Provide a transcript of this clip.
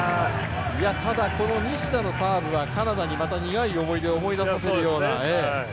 ただ、西田のサーブがカナダにまた苦い思い出を思い出させるような。